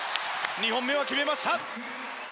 ２本目は決めました！